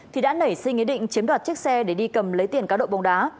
thì đã nảy sinh ý định chiếm đoạt chiếc xe để đi cầm lấy tiền cá độ bóng đá